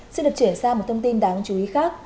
xin được chuyển sang một thông tin đáng chú ý khác